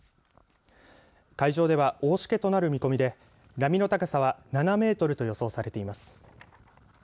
海上では大しけとなる見込みで波の高さは７メートルと予想されています。